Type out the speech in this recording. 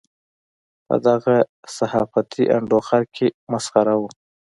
په دغه صحافتي انډوخر کې مسخره وو.